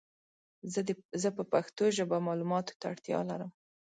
زه په پښتو ژبه مالوماتو ته اړتیا لرم